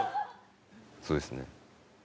そうですね。